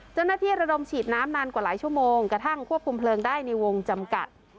ระดมฉีดน้ำนานกว่าหลายชั่วโมงกระทั่งควบคุมเพลิงได้ในวงจำกัด